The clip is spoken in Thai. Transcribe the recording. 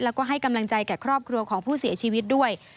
แล้วก็ให้กำลังใจแก่ครอบครัวของผู้เสียชีวิตด้วย